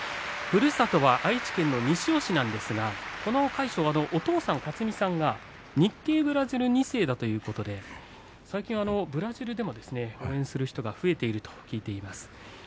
ふるさとは愛知県の西尾市なんですが魁勝はお父さんの、かつみさんが日系ブラジル人２世だということで最近はブラジルでも応援する人が増えていると聞いています。